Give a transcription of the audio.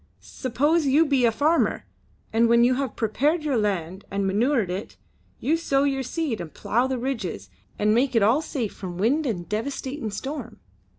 Suppose you be a farmer, and when you have prepared your land and manured it, you sow your seed and plough the ridges and make it all safe from wind and devastatin' storm.